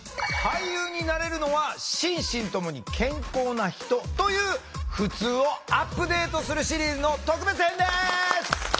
「俳優になれるのは心身ともに健康な人」というふつうをアップデートするシリーズの特別編です！